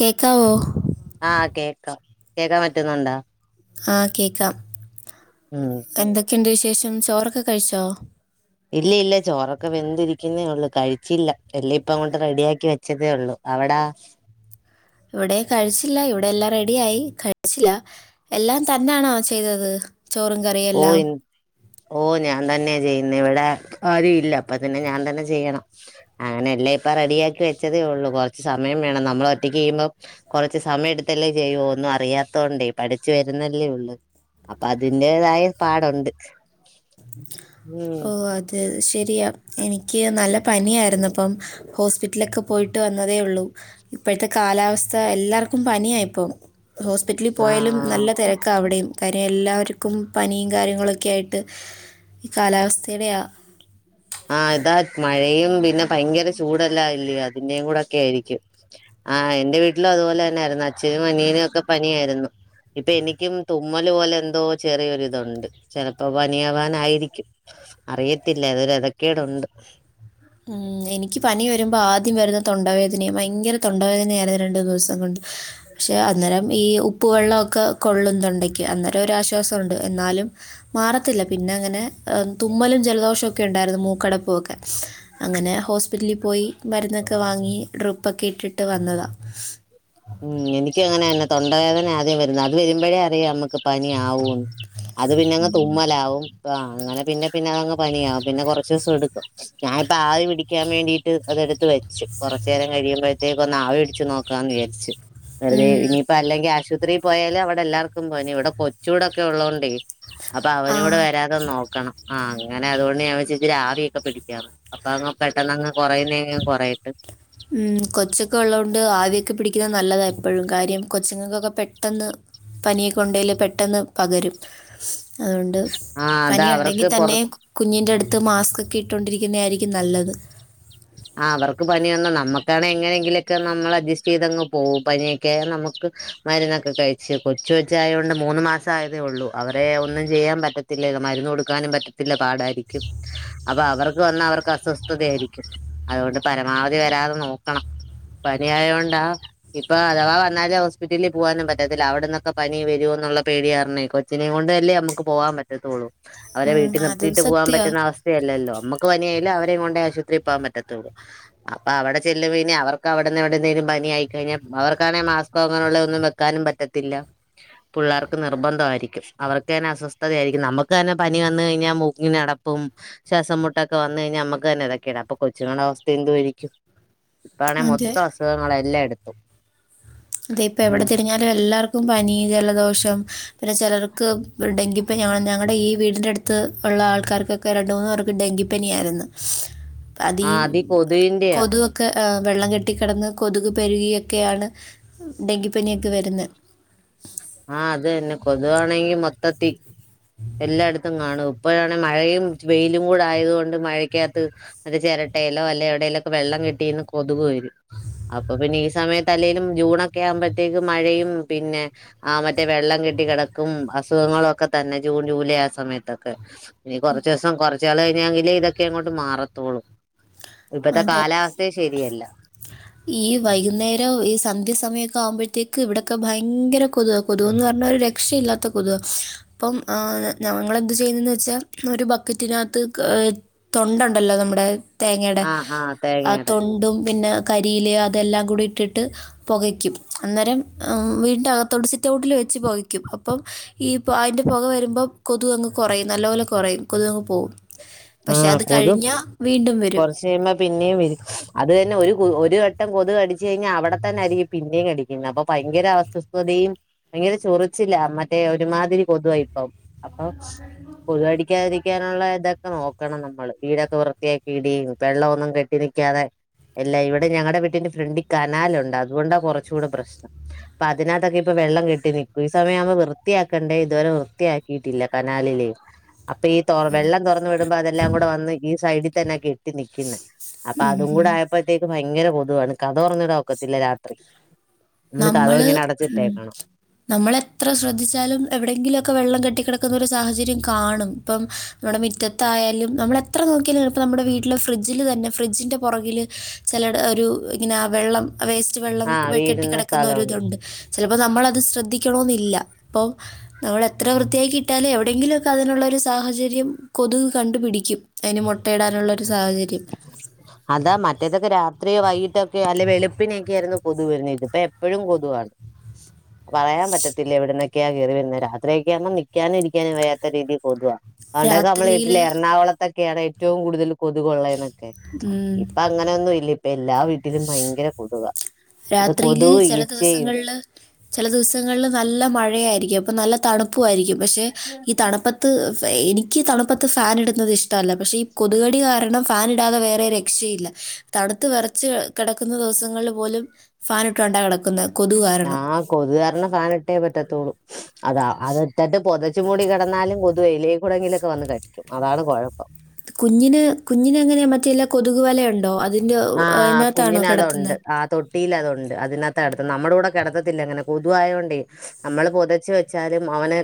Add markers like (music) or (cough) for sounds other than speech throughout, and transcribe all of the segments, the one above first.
കേക്കാവോ ആഹ് കേക്കാം കേക്കാൻ പറ്റുന്നൊണ്ടാ ആഹ് കേക്കാം ഉം എന്തൊക്കെണ്ട് വിശേഷം ചോറൊക്കെ കഴിച്ചോ ഇല്ല ഇല്ല ചോറൊക്കെ വെന്തിരിക്കുന്നേ ഒള്ളൂ കഴിച്ചില്ല എല്ലാം ഇപ്പ അങ്ങോട്ട് റെഡിയാക്കി വെച്ചതേ ഒള്ളു അവടാ ഇവിടേം കഴിച്ചില്ല ഇവിടെ എല്ലാം റെഡി ആയി കഴിച്ചില്ല എല്ലാം തന്നാണോ ചെയ്തത് ചോറും കറിയും ഓ എല്ലാം ഇൻ ഓ ഞാൻ തന്നെയാ ചെയ്യുന്നെ ഇവിടെ ആരുവില്ല അപ്പ പിന്നെ ഞാൻ തന്നെ ചെയ്യണം അങ്ങനെയെല്ലാം ഇപ്പ റെഡിയാക്കി വെച്ചതേ ഒള്ളൂ കൊറച്ച് സമയം വേണം നമ്മൾ ഒറ്റക്ക് ചെയ്യുമ്പം കൊറച്ച് സമയം എടുത്തല്ലേ ചെയ്യു ഒന്നും അറിയാത്തോണ്ടേ പഠിച്ചു വരുന്നല്ലേ ഉള്ള് അപ്പൊ അതി ന്റേതായ പാടൊണ്ട് ഓ അതേ അത് ശരിയാ എനിക്ക് നല്ല പനിയായിരുന്നപ്പം ഹോസ്പിറ്റലിലൊക്കെ പോയിട്ട് വന്നതേയൊള്ളു ഇപ്പഴത്തെ കാലാവസ്ഥ എല്ലാർക്കും പനിയാ ഇപ്പോ ഹോസ്പിറ്റലിൽ പോയാലും ആഹ് നല്ല തെരക്കാ അവിടെയും കാര്യം എല്ലാവർക്കും പനിയും കാര്യങ്ങളൊക്കെ ആയിട്ട് ഈ കാലാവസ്ഥേടെയാ ആഹ് ഇതാ മഴയും പിന്നെ ഭയങ്കര ചൂടെല്ലാം ആയില്ലേ അതിന്റേംകൂടൊക്കെ ആയിരിക്കും ആഹ് എന്റെ വീട്ടിലും അതുപോലെ തന്നാരുന്നു അച്ഛനും അനിയനും ഒക്കെ പനിയാരുന്നു ഇപ്പൊ എനിക്കും തുമ്മല് പോലെന്തോ ചെറിയൊരിതുണ്ട് ചെലപ്പോ പനിയാവാനായിരിക്കും അറിയത്തില്ല അതൊരു എതക്കേടുണ്ട് ഉം എനിക്ക് പനി വരുമ്പോ ആദ്യം വരുന്ന തൊണ്ടവേദനയ ഭയങ്കര തൊണ്ടവേദനയാരുന്നു രണ്ട് മൂന്ന് ദിവസം കൊണ്ട് പക്ഷേ അന്നരം ഈ ഉപ്പു വെള്ളവൊക്കെ കൊള്ളും തൊണ്ടക്ക് അന്നരം ഒരാശ്വാസോണ്ട് എന്നാലും മാറത്തില്ല പിന്നങ്ങനെ തുമ്മലും ജലദോഷൊക്കെ ഉണ്ടായിരുന്നു മൂക്കടപ്പുവൊക്കെ അങ്ങനെ ഹോസ്പിറ്റലി പോയി മരുന്നൊക്കെ വാങ്ങി ഡ്രിപ്പൊക്കെ ഇട്ടിട്ട് വന്നതാ ഉം എനിക്കങ്ങനെ തന്നെ തൊണ്ടവേദന ആദ്യം വരുന്നെ അത് വരുമ്പഴേ അറിയാം നമുക്ക് പനിയാവൂന്ന് അത് പിന്നങ്ങ് തുമ്മലാവും ആഹ് അങ്ങനെ പിന്നെ പിന്നെ അതങ്ങ് പനിയാവും പിന്നെ കൊറച്ച് ദിവസം എടുക്കും ഞാാനിപ്പ ആവി പിടിക്കാൻ വേണ്ടീട്ട് അതെടുത്ത് വെച്ചു കൊറച്ച് നേരം കഴിയുമ്പഴത്തേക്ക് ഒന്ന് ആവി പിടിച്ചു നോക്കാന്ന് വി ച്ച് വെറുതെ ഇനിയിപ്പ അല്ലെങ്കി ആശു ത്രീ പോയാല് അവിടെ എല്ലാർക്കും പനി ഇവിടെ കൊച്ചൂടൊക്കെ ഉള്ളോണ്ടേ അപ്പൊ അവനൂടെ ആ വരാ തെ നോക്കണം ആഹ് അങ്ങനെ അതുകൊണ്ട് ഞാൻ വിചാരിച്ച് ആവിയൊക്കെ പിടിക്കാന്ന് അപ്പൊ അങ്ങ് പെട്ടന്നങ്ങ് കൊറയുന്നെങ്ങി അങ്ങ് കൊറയട്ട് ഉം കൊച്ചൊക്കെ ഒള്ളോണ്ട് ആവിയൊക്കെ പിടിക്കുന്നത് നല്ലതാ എപ്പഴും കാര്യം കൊച്ചുങ്ങക്കൊക്കെ പെട്ടെന്ന് പനിയൊക്കെയൊണ്ടേല് പെട്ടെന്ന് പകരും അതുകൊണ്ട് ആ അതാ പനിയുണ്ടെങ്കി അവർക്ക് പൊറ തന്നെ കുഞ്ഞിന്റെ അടുത്ത് മാസ്കൊക്കെ ഇട്ടോണ്ടിരിക്കുന്നയാരിക്കും നല്ലത് ആഹ് അവർക്ക് പനി വന്ന നമ്മക്കാണേ എങ്ങനെയെങ്കിലൊക്കെ നമ്മള് അഡ്ജെസ്റ്റെയ്തങ്ങ് പോവും പനിയൊക്കെയായാ നമ്മക്ക് മരുന്നൊക്കെ കഴിച്ച് കൊച്ചു കൊച്ചായോണ്ട് മൂന്ന് മാസം ആയതേ ഒള്ളൂ അവരെ ഒന്നും ചെയ്യാൻ പറ്റ ത്തില്ല മരുന്ന് കൊടുക്കാനും പറ്റത്തില്ല മരുന്നുകൊട്ക്കാനുംപറ്റത്തില്ല പാടായിരിക്കും, അപ്പൊ അവർക്ക് വന്നാ അവർക്ക് അസ്വസ്ഥതയായിരിക്കും അതുകൊണ്ട് പരമാവധി വരാതെ നോക്കണം പനി ആയോണ്ടാ ഇപ്പൊ അഥവാ വന്നാല് ഹോസ്പിറ്റലി പോവാനും പറ്റത്തില്ല അവിടന്നൊക്കെ പനി വരോന്നുള്ള പേടി കാരണേ കൊച്ചിനേം കൊണ്ടല്ലേ നമുക്ക് പോകാൻ പറ്റത്തൊള്ളൊ അവരെ ഉം, വീട്ടി അതും നിർത്തിയിട്ട് പോവാൻ സത്യമാണ് പറ്റുന്ന അവസ് സ്ഥയല്ലല്ലോ മ്മ്ക്ക് പനിയായാലും അവരേം കൊണ്ടേ ആശുപത്രി പോവാൻ പറ്റത്തുള്ളൂ അപ്പൊ അവടെ ചെല്ലുവേനെ അവർക്ക് അവിടെന്ന് എവിടെന്നേലും പനിയായിക്കഴിഞ്ഞാ അവർക്കാണെ മാസ് ക്കൊ അങ്ങനെയുള്ള ഒന്നും വെക്കാനും പറ്റത്തില്ല, പിള്ളേർക്ക് നിർബന്ധമായിരിക്കും അവർക്ക് തന്നെ അസ്വസ്ഥതയായിരിക്കും നമുക്ക് തന്നെ പനി വന്ന്‌കഴിഞ്ഞാ മൂക്ക്ങ്ങട പ്പും ശ്വാസം മുട്ടൊക്കെ വന്നു കഴിഞ്ഞാ നമ്മക്ക് തന്നെതക്കെടാംപ്പൊ കൊച്ചുങ്ങളുടെ അവസ്ഥഎന്തു ആരിക്കും ഇപ്പാണെ അതെ മൊത്തം അസുഖങ്ങളെല്ലാ എടത്തും, അതെ ഇപ്പ എവിടെ തിരിഞ്ഞാലും എല്ലാർക്കും പനി ജലദോഷം, ചിലർക്ക് ഒരു ഡെങ്കിപ്പനി ഞങ്ങളുടെ ഈ വീടിന്റെ അടു, ത്ത് ഉള്ള ആൾക്കാർക്കൊക്കെ രണ്ട്, മൂന്ന്‌ പേർക്ക് ഡെങ്കിപ്പനിയായിരുന്നു, അതീ കൊതുകൊ ക്കെ വെള്ളം കെട്ടിക്കിടന്ന് കൊതുക് പെരുകിയൊക്കെയാണ് ഡെങ്കിപ്പനിയൊക്കെ വരുന്നത്, ആഹ് അത് തന്നെ കൊതുവാണെങ്കി മൊത്തത്തി എല്ലായിടത്തും കാണും ഇപ്പോഴാണ് മഴയും വെയിലും കൂടെ ആയത് കൊണ്ട് മഴയ്ക്കകത്ത്, അത് ചിരട്ടലോ അല്ലെ എവിടേലൊക്കെ വെള്ളം കെട്ടിന്ന് കൊതുക് വരും. അപ്പൊ പിന്നെ ഈ സമയത്തല്ലേലും ജൂണൊക്കെ ആകുമ്പത്തേക്കും മഴയും പിന്നെ, ആഹ് മറ്റേ വെള്ളം കെട്ടി കിടക്കും അസുഖങ്ങളൊക്കെ തന്നെ ജൂൺ, ജൂലൈ ആ സമയത്തൊക്കെ, ഇനി കുറച്ചസം കൊറച്ച് കാലം കഴിഞ്ഞാെങ്കിലെ ഇതൊക്കെ അങ്ങോട്ട് മാറത്തുള്ളൂ, ഇപ്പത്തെ അതെ കാലാവസ്ഥയും ശെരിയല്ല, ഈ വൈകുന്നേരം ഈ സന്ധ്യ സമയമൊക്കെ ആവുമ്പോത്തേക്ക് ഇവിടൊക്കെ ഭയങ്കര കൊതുക, കൊതുക്‌പർഞ്ഞാ ഒരു രക്ഷയില്ലാത്ത കൊതുക, ഇപ്പം ഞങ്ങളെന്ത് ചെയ്യുന്നെന്ന് വെച്ചാൽ ഒരു ബക്കറ്റിനകത്ത്, തൊണ്ടണ്ടല്ലോ നമ്മുടെ തേങ്ങയുടെ ആഹ് ആഹ് ആ തേങ്ങയുടെ തൊണ്ടും പിന്നെ, കരിയിലയൊ അതെല്ലാം കൂടി ഇട്ടിട്ട്, പുകയ്ക്കും അന്നേരം വീടിന്റെകത്തോട് സിറ്റ് ഔട്ടിൽ വെച്ച് പുകയ്ക്കും അപ്പം, ഈ അയ്ന്റെ പൊക വരുമ്പോ കൊതു അങ്ങ് കുറയും നല്ല പോലെ കുറയും, കൊതു അങ്ങ് പോകും, പക്ഷെ അത് കഴിഞ്ഞാൽ വീണ്ടും വരും, ച്ച് ചെയ്യുമ്പ പിന്നേം വെരും, അതെന്നെ ഒരു ഒരു വട്ടം കൊതുക്‌ കടിച്ച് കഴിഞ്ഞാൽ അവിടെത്തന്നെ ആയിരിക്കും പിന്നേം കടിക് പിന്ന അപ്പ ഭയങ്കര അസ്വസ്ഥതയും ഭയങ്കര ചൊറിച്ചിലാ മറ്റേ ഒരുമാതിരി കൊതുവ ഇപ്പം, അപ്പൊ കൊതുകടിക്കാതിരിക്കാനുള്ള ഇതൊക് ക്കെ നോക്കണം നമ്മള് വീടൊക്കെ വൃത്തിയാക്കി ഇടയും വെള്ളൊന്നും കെട്ടിനിൽക്കാതെ, ഇല്ല ഇവിടെ ഞങ്ങളടെ വീട്ടിന്റെ ഫ്രണ്ട്ൽ കനാലുണ്ട് അതുകൊണ്ടാ കുറച് കൂടെ പ്രശ്നം, പ്പൊ അതിനകത്തൊക്കെ ഇപ്പൊ വെള്ളം കെട്ടി നിക്ക ഈ സമയാമ്പോ വൃത്തിയാക്കണ്ടേ ഇതുവരെ വൃത്തിയാക്കിയിട്ടില്ല കനാലിലേ, അപ്പൊ ഈ വെള്ളം തൊറന്ന് വിടുമ്പോ അതെല്ലാം കൂടെ വന്ന് ഈ സൈഡിൽ തന്നെ കെട്ടി നിക്ക്ന്നേ, അപ്പൊ ഉം അതും ഉം. കൂടെ ആയപ്പോത്തേക്ക് ഭയങ്കര കൊതുവാണ് കതക്‌തൊർന്നിടാനൊക്കത്തില്ല രാത്രി, മ്മള് കതക്‌ ഇങ്ങനെ അടച്ചിട്ടേക്കണം, നമ്മള എത്ര ശ്രദ്ധിച്ചാലും എവിടെങ്കിലൊക്ക വെള്ളം കെട്ടിക്കിടക്കുന്ന ഒരു സാഹചര്യം കാണും ഇപ്പം, നമ്മുടെ മുറ്റത്തായാലും നമ്മള എത്ര നോക്കിയാലും ഇപ്പോൾ നമ്മുടെ വീട്ടിൽ ഫ്രിഡ്ജിൽ തന്നെ ഫ്രിഡ്ജിൻ്റെ പുറകില്, ചിലോട ഒരു ഇങ്ങനെ വെള്ളം വേസ്റ്റ് വെള്ളം ആഹ് വീഴുന്ന കിടക്കുന്ന ഒരു സ്ഥലമുണ്ട് ഇതുണ്ട്, ണ്ട് ചെലപ്പോ നമ്മളത് ശ്രദ്ധിക്കണോന്നില്ല അപ്പൊ, നമ്മൾ എത്ര വൃത്തിയാക്കിട്ടാലും എവിടെയെങ്കിലൊക്ക അതിനുള്ളൊരു സാഹചര്യം കൊതുക് കണ്ടുപിടിക്കും. അയ്ന് മുട്ടയിടാനുള്ളൊരു സാഹചര്യം ഉ (unintelligible) അതാ മറ്റേതൊക്കെ രാത്രിയ വൈകിട്ടൊക്കെ അല്ലെ വെളുപ്പിനൊക്കെ ആയിരുന്നു കൊതു വരുന്നത് ഇത് ഇപ്പം എപ്പോഴും കൊതുവാണ് പറയാൻ പറ്റത്തില്ല എവിടുന്നൊക്കെയാ കയറി വരുന്നെ രാത്രിയക്കെയാണെ നിക്കാനും ഇരിക്കാനും വയ്യാത്ത രീതിയിൽ കൊതുവാ പണ്ടൊക്കെ നമ്മൾ രാത്രിയിൽ കേട്ടില്ലെ എറണാകുളത്തൊക്കെയാണ് ഏറ്റവും കൂടുതൽ കൊതുകൊള്ളെന്നൊക്കെ ഇപ്പൊ അങ്ങനൊന്നും ഇല്ല ഇപ്പം എല്ലാ വീട്ടിലും ഭയങ്കര കൊതുകാ അത് കൊതുകും ഈച്ചയും ള് ചില ദിവസങ്ങളിൽ നല്ല മഴയായിരിക്കും അപ്പം നല്ല തണുപ്പുമായിരിക്കും പക്ഷെ ഈ തണുപ്പത്ത് ത്ത് എനിക്ക് തണുപ്പത്ത് ഫാൻ ഇടുന്നത് ഇഷ്ടല്ല പക്ഷേ ഈ കൊതുകടി കാരണം ഫാൻ ഇടാതെ വേറെ രക്ഷയില്ല തണുത്ത് വെറച്ച് കിടക്കുന്ന ദിവസങ്ങളിൽ പോലും ഫാൻ ഇട്ടോണ്ടാ കിടക്കുന്നത് കൊതുക് കാരണം ആഹ് കൊതുക് കാരണം ഫാൻ ഇട്ടേ പറ്റത്തുള്ളൂ അതാ അത് ഇട്ടട്ട് പൊതച്ച് പൊതച്ച്മൂടി കിടന്നാലും കൊതു എയിലെകുടങ്ങിലൊക്കെ വന്ന് കടിക്കും അതാണ് കുഴപ്പം കുഞ്ഞിന് കുഞ്ഞിന് എങ്ങനെ മറ്റേ എല്ലാ കൊതുക് വലയുണ്ടോ അതിന്റെറെ ആഹ് അതിനകത്താണോ കുഞ്ഞിന് അതുണ്ട് കിടത്തുന്നെ ആ തൊട്ടിയിൽ അതുണ്ട് അതിനകത്താ കിടത്തുവാ നമ്മുടെ കൂടെ കിടത്തത്തില്ല അങ്ങനെ കൊതുവായത് കൊണ്ടേ നമ്മള് പൊതച്ചു വെച്ചാലും അവന്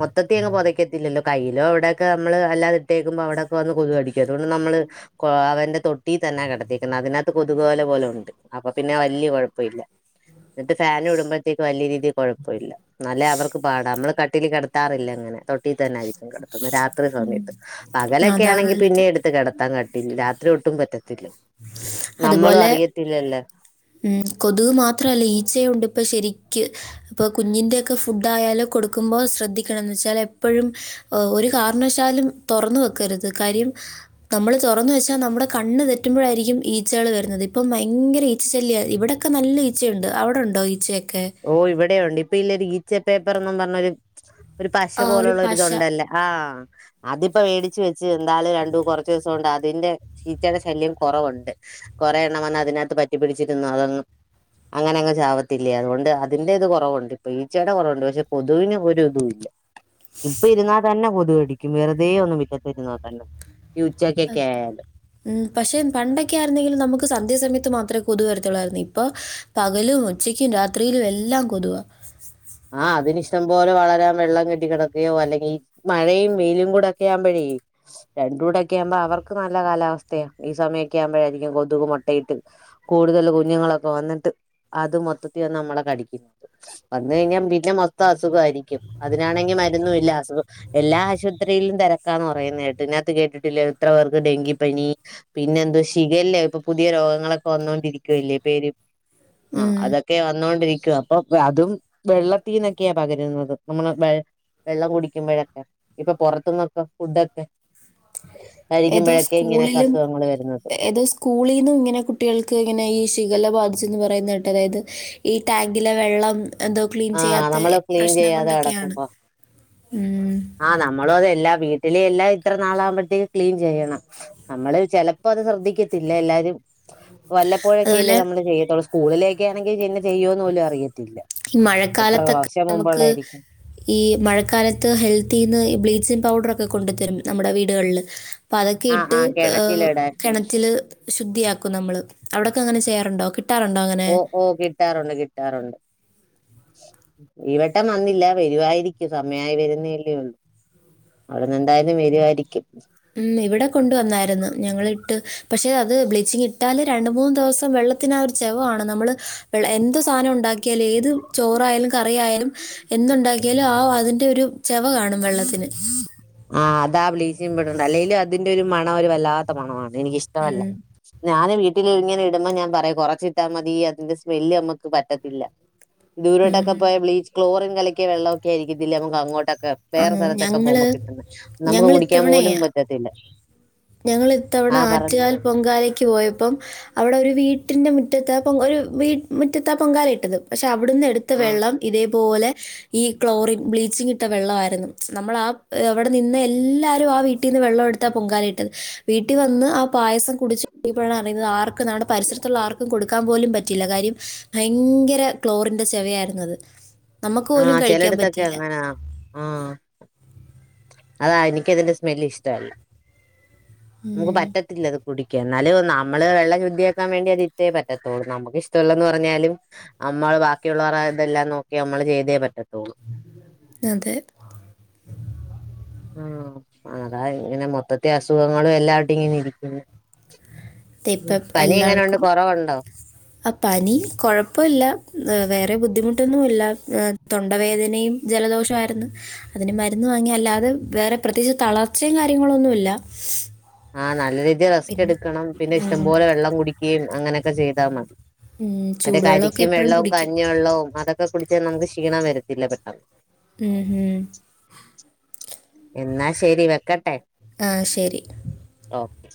മൊത്തത്തി അങ്ങ് പുതക്കത്തില്ലല്ലോ കയ്യിലോവിടെയൊക്കെ നമ്മള് അല്ലാ ഇട്ടേക്കുമ്പോ അവിടെ ഒക്കെ വന്ന് കൊതുക് കടിക്കും അതുകൊണ്ട് നമ്മള് അവന്റെ തൊട്ടി തന്നെ കിട ത്തിയേക്കുന്നെ അതിനകത്ത് കൊതുകുവല പോലെയുണ്ട് അപ്പൊ പിന്നെ വലിയ കുഴപ്പമില്ല എന്നിട്ട് ഫാൻ ഇടുമ്പോഴത്തേക്ക് വലിയ രീതിയിൽ കുഴപ്പമില്ല എന്നാല് അവർക്ക് പാടാ നമ്മള് കട്ടിലില് കിടത്താറില്ല അങ്ങനെ തൊട്ടി തന്നെയായിരിക്കും കെടത്താ രാത്രി ഉം. സമയത്ത് പകലൊക്കെ അതാ ആണെങ്കി നല്ലത് പിന്നെ എടുത്ത് കിടത്താൻ കട്ടിലിൽ രാത്രി ഒട്ടും പറ്റത്തില്ല നമ്മളും അതുപോലെ അറിയത്തില്ലല്ലോ മ്മ് കൊതുക് മാത്രല്ല ഈച്ചയും ഉണ്ട് ഇപ്പം ശരിക്ക് ഇപ്പൊ കുഞ്ഞിന്റെയൊക്കെ ഫുഡ് ആയാലും കൊടുക്കുമ്പോ ശ്രദ്ധിക്കണം എന്ന് വെച്ചാൽ എപ്പോഴും ഒരു കാരണവശാലും തുറന്ന് വെക്കരുത് കാര്യം നമ്മൾ തുറന്ന് വെച്ചാ നമ്മുടെ കണ്ണ് തെ റ്റുമ്പോഴായിരിക്കും ഈച്ചകൾ വരുന്നത് ഇപ്പം ഭയങ്കര ഈച്ച ശല്യമാണ് ഇവിടൊക്കെ നല്ല ഈച്ചയുണ്ട് അവിടെ ഉണ്ടോ ഈച്ചയൊക്കെ ഓഹ് ഇവിടെയുണ്ട് ഇപ്പൊ ഇല്ല ഒരു ഈച്ച പേപ്പർന്നും പറഞ്ഞ ഒരു ഒരു പശ ആ ഒരു പോലുള്ള പശ ഒരിതുണ്ടല്ലോ ആഹ് അതിപ്പോ മേടിച്ച് വെച്ച് എന്താലും രണ്ടു കൊറച്ച് ദിവസം കൊണ്ട് അതിന്റെ ഈച്ചയുടെ ശല്യം കുറവുണ്ട് കൊറെ എണ്ണം വന്ന് അതിനകത്ത് പറ്റിപിടിച്ചിരുന്നു അതൊന്നും അങ്ങനെ അങ്ങ് ചാവത്തില്ലെ അതുകൊണ്ട് അതിന്റെ ഇത് കുറവുണ്ട് ഇപ്പൊ ഈച്ചേടെ കുറവുണ്ട് പക്ഷെ കൊതുവിന് ഒരു ഇതും ഇല്ല ഇപ്പൊ ഇരുന്നാൽ തന്നെ കൊതു കടിക്കും വെറുതെ ഒന്നും മിറ്റത്ത് ഇരുന്നാൽ തന്നെ ഈ ഉച്ചയ്ക്കൊക്കെ ആയാലും മ്മ് പക്ഷെ പണ്ടൊക്കെ ആരുന്നെങ്കിലും നമുക്ക് സന്ധ്യാസമയത്ത് മാത്രമേ കൊതു വരുത്തുളളായിരുന്നു ഇപ്പൊ പകലും ഉച്ചക്കും രാത്രിയിലും എല്ലാം കൊതുവാ ആഹ് അതിനിഷ്ടം പോലെ വളരാൻ വെള്ളം കെട്ടി കിടക്കുകയോ മഴയും വെയിലും കൂടെ ഒക്കെയാവുമ്പഴേ രണ്ടും കൂടെ ഒക്കെ ആവുമ്പോ അവർക്ക് നല്ല കാലാവസ്ഥയാ ഈ സമയൊക്കെ ആവുമ്പോഴായിരിക്കും കൊതുക് മുട്ടയിട്ട് കൂടുതൽ കുഞ്ഞുങ്ങളൊക്കെ വന്നിട്ട് അത് മൊത്തത്തി നമ്മളെ കടിക്കുന്നത് വന്ന് കഴിഞ്ഞാൽ പിന്നെ മൊത്തം അസുഖമായിരിക്കും അതിനാണെങ്കിൽ മരുന്നുമില്ല അസുഖം എല്ലാ ആശുപത്രിയിലും തിരക്കാന്ന് പറയുന്നത് കേട്ട് ഇതിനകത്ത് കേട്ടിട്ടില്ലെ എത്ര പേർക്ക് ഡെങ്കിപനി പിന്നെ എന്തോ ഷിഗല്ല ഇപ്പൊ പുതിയ രോഗങ്ങളൊക്കെ വന്നൊണ്ടിരിക്കുവല്ലേ പേര് ആഹ് കൊതുവാണ് അതൊക്കെ വന്നോണ്ടിരിക്കുവാ അപ്പൊ അതും വെള്ള ത്തീ ന്നൊക്കയാ പകരുന്നത് നമ്മള് വെള്ളം കുടിക്കുമ്പോഴൊക്കെ ഇപ്പൊ പുറത്തുന്നൊക്കെ ഫുഡൊക്കെ ഏതോ കഴിക്കുമ്പോഴൊക്കെ ഇങ്ങനെയൊക്കെ സ്കൂളിലും അസുഖങ്ങൾ വരുന്നത് ഏതോ സ്കൂളീന്നും ഇങ്ങനെ കുട്ടികൾക്ക് ഇങ്ങനെ ഈ ശിഖല ബാധിച്ചന്ന് പറയുന്ന കേട്ട് അതായത് ഈ ടാങ്കിലെ വെള്ളം എന്തൊ ക്ലീൻ ആഹ് ചെയ്യാത്ത നമ്മള് ക്ലീൻ പ്രശ്നം ചെയ്യാതെ കൊണ്ടൊക്കെയാണ് കിടക്കുമ്പോ ഉ നമ്മള അതെല്ലാം വീട്ടില എല്ലാം ഇത്ര നാളാകുമ്പോഴത്തേക്കും ക്ലീൻ ചെയ്യണം നമ്മള് ചിലപ്പോ അത് ശ്രദ്ധിക്കത്തില്ല എല്ലാരും വല്ലപ്പോഴൊക്കെല്ലേ അതുപോലെ നമ്മള് ചെയ്യത്തുള്ളൂ സ്കൂളില ഒക്കെ ആണെങ്കിൽ പിന്നെ ചെയ്യുവോന്ന് പോലും അറിയത്തില്ല ഈ എത്ര മഴക്കാലത്തൊക്കെ വർഷം നമുക്ക് മുമ്പുള്ളായിരിക്കും ഈ മഴക്കാലത്ത് ഹെൽത്തിന്ന് ഈ ബ്ലീച്ചിങ് പൗഡർൊക്കെ കൊണ്ടുത്തരും നമ്മുടെ വീടുകളില് അപ്പൊ അതൊക്കെ ആഹ് ഇട്ട് ആഹ് കിണറ്റിലിടാൻ കിണറ്റില് ശുദ്ധിയാക്കും നമ്മള് അവിടൊക്കെ അങ്ങനെ ചെയ്യാറുണ്ടോ കിട്ടാറുണ്ടോ അങ്ങനെ ഓ ഓ കിട്ടാറുണ്ട് കിട്ടാറുണ്ട് ഇവട്ടം വന്നില്ല വരുവായിരിക്കും സമയയി വരുന്നല്ലേ ഉള്ളൂ അവിടന്ന് എന്തായും വരുവായിരിക്കും ഉ ഇവിടെ കൊണ്ട വന്നായിരുന്നു ഞങ്ങളിട്ട് പക്ഷേ അത് ബ്ലീച്ചിങ് ഇട്ടാല് രണ്ടുമൂന്ന് ദിവസം വെള്ള ത്തിന് ആ ചെവകാണും നമ്മള് എന്ത് സാധനം ഉണ്ടാക്കിയാലും ഏത് ചോറായാലും കറി ആയാലും എന്തുണ്ടാക്കിയാലും ആ അതിന്റെ ഒരു ചെവ കാണും വെള്ളത്തിന് ആഹ് അതാ ബ്ലീച്ചിങ് പടറിന്റെ അല്ലെങ്കും അതിന്റെ ഒരു മണ ഒരു വല്ലാത്ത മണമാണ് എനിക്ക്‌ ഇഷ്ടമല്ല മ്മ്. ഞാന് വീട്ടിൽ ഇങ്ങനെ ഇടുമ്പോം ഞാൻ പറയും കുറച്ചിട്ടാ മതി അതിന്റെ സ്മെല്ല് നമുക്ക് പറ്റത്തില്ല (inaudible) ദൂരോട്ടൊക്കെ മ്മ്. പോയ ബ്ലീച്ച്ക് ളോറിൻ കലക്കിയ വെള്ളമൊക്കെ ആയിരിക്കത്തില്ലെ നമക്ക് അങ്ങോട്ടൊക്കെ ആ വേറെ സ്ഥലത്തൊക്കെ ഞങ്ങള് പോക്മ്പോ കിട്ടുന്നെനമുക്ക് കുടിക്കാൻ പോലും ഞങ്ങളിത്തവണയേ പറ്റത്തില്ല ഞങ്ങൾ ഇത്തവണ ആ പറ ആറ്റുകാൽ പൊങ്കാലേക്ക് പോയ പ്പം അവിടെ ഒരു വീട്ടിൻ്റെ മുറ്റത്ത് ഒരു വി മുറ്റത്താ പൊങ്കലായിട്ടത് പക്ഷെ അവിടുന്ന് എടുത്ത ആ വെള്ളം ഇതേപോലെ ഇ ക്ലോറിൻ ബ്ലീച്ചിങ്ങ് ഇട്ട വെള്ളമായിയിരുന്നു നമ്മൾ ആ അവിടെ നിന്ന് എല്ലാരും ആ വീട്ടിൽ നിന്ന് വെള്ളം എടുത്ത് ത്താ പൊങ്കാലയി ട്ടത് വീട്ടിൽ വന്ന് ആ പായസം കുടിച്ച് നോക്കിയപ്പോഴാണ് അറിയുന്നത് ആർക്ക പരിസരത്തുള്ള ആർക്കുംകൊടു ക്കാൻ പോലും പറ്റില്ല കാര്യം ഭയങ്കര ക്ലോറിന്റെ ചെവ ആയിരുന്നു അത് നമുക്ക് പോലും കഴിക്കാൻ പറ്റിയില്ല ആഹ് അതാ എനിക്കതിന്റെ സ്മെല് ഇഷ്ടമല്ല നമുക്ക് ഉം, പറ്റത്തില്ലത് കുടിക്ക എന്നാലും നമ്മള് വെള്ളം ശുദ്ധിയാക്കാൻ വേണ്ടി അത് ഇട്ടെ പറ്റത്തുള്ളൂ നമുക്ക് ഇഷ്ടമല്ലന്ന് പറഞ്ഞാലും നമ്മള് ബാക്കിയുള്ളവർ ഇതെല്ലാം നോക്കി നമ്മള് ചെയ്തേ പറ്റത്തുള്ളൂ അതെ ആഹ് അതാ ഇങ്ങനെ മൊത്തത്തെ അസുഖങ്ങളും എല്ലാട്ടും ഇങ്ങനെ ഇരിക്കുന്നു ദേ ഇപ്പം പനി എങ്ങനെ ഉണ്ട് എല്ലാവർക്കും കൊറവുണ്ടോ ആ പനി കുഴപ്പല്ല വേറെ ബുദ്ധിമുട്ടൊന്നുല്ല. തൊണ്ടവേദനയും ജലദോഷായിരുന്നു അതിന് മരുന്ന് വാങ്ങി അല്ലാതെ വേറെ പ്രത്യേകിച്ച് തളർച്ചയും കാര്യങ്ങള് ഒന്നുല്ല ആഹ് നല്ല രീതിയിൽ റെസ്റ്റ് എടുക്കണം പിന്നെ ഇഷ്ടം ഉം, പോലെ വെള്ളം കുടിക്കുകയും അങ്ങനെയൊക്കെ ചെയ്താൽ മതി ഉം, മറ്റെ ചൂടുവെള്ളമൊക്കെ കരിക്കിൻ എപ്പോഴും വെള്ളവും കുടിക്കും കഞ്ഞി വെള്ളവും അതൊക്കെ കുടിച്ച നമുക്ക് ക്ഷീണം വരത്തില്ല പെട്ടെന്ന് ഉം ഉം എന്നാ ശരി വെക്കട്ടെ ആഹ് ശരി ആഹ്